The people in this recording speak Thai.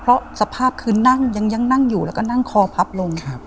เพราะสภาพคือนั่งยังนั่งอยู่แล้วก็นั่งคอพับลง